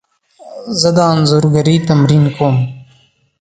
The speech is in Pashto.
زه د انځورګري تمرین کوم.